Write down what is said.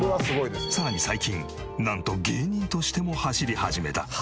さらに最近なんと芸人としても走り始めた。